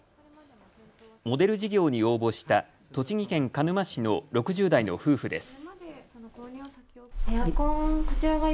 モデル事業に応募した栃木県鹿沼市の６０代の夫婦です。